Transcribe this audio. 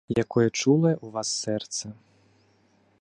Якое чулае ў вас сэрца!